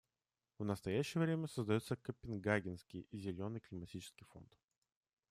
В настоящее время создается Копенгагенский зеленый климатический фонд.